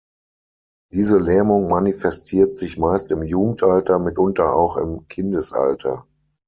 Diese Lähmung manifestiert sich meist im Jugendalter, mitunter auch im Kindesalter.